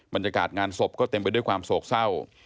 บรรยากาศงานศพก็เต็มไปด้วยความโศกเศร้า